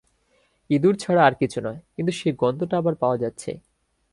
ইঁদুর ছাড়া আর কিছু নয়, কিন্তু সেই গন্ধটা আবার পাওয়া যাচ্ছে।